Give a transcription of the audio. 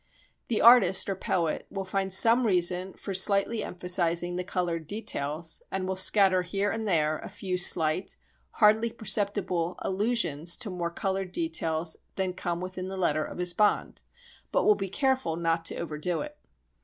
The artist or poet will find some reason for slightly emphasising the coloured details and will scatter here and there a few slight, hardly perceptible, allusions to more coloured details than come within the letter of his bond, but will be careful not to overdo it.